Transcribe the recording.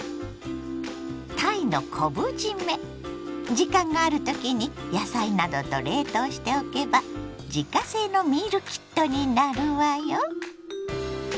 時間がある時に野菜などと冷凍しておけば自家製のミールキットになるわよ。